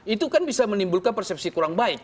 itu kan bisa menimbulkan persepsi kurang baik